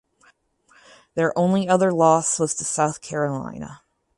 Their only other loss was to South Carolina.